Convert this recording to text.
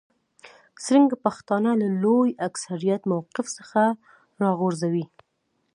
څرنګه پښتانه له لوی اکثریت موقف څخه راوغورځوي.